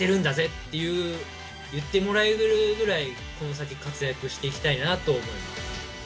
って言ってもらえるぐらいこの先活躍して行きたいなと思います。